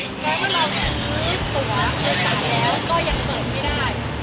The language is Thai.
แม้ว่าเรามือตั๋วมือตั๋วแล้วก็ยังเติดไม่ได้